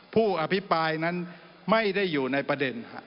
ผู้อภิปรายนั้นไม่ได้อยู่ในประเด็น